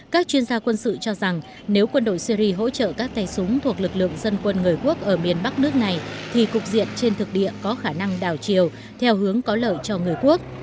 các chuyên gia quân sự cho rằng nếu quân đội syri hỗ trợ các tay súng thuộc lực lượng dân quân người quốc ở miền bắc nước này thì cục diện trên thực địa có khả năng đảo chiều theo hướng có lợi cho người quốc